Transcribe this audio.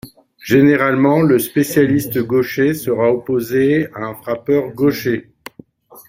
Généralement, le spécialiste gaucher sera opposé à un frappeur gaucher.